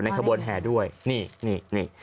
ในควรแห่ด้วยนี่นี่นี่